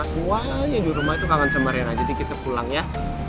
suaranya di rumah itu kangen semarin aja jadi kita pulang ya